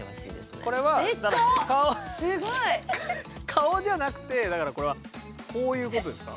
顔じゃなくてだからこれはこういうことですか？